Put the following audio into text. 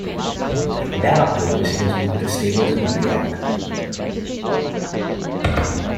That October, she was moved to Stapleton, New York.